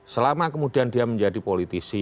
selama kemudian dia menjadi politisi